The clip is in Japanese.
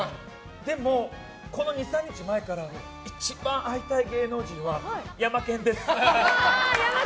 でも、この２３日前から一番会いたい芸能人はヤマケンです。